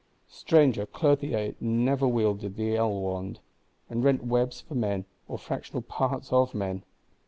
Stranger Clothier never wielded the ell wand, and rent webs for men, or fractional parts of men.